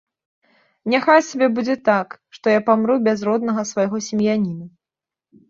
Няхай сабе будзе так, што я памру без роднага свайго сем'яніна.